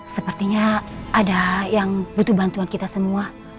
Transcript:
sepertinya ada yang butuh bantuan kita semua